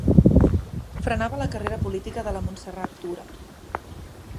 Frenava la carrera política de la Montserrat Tura.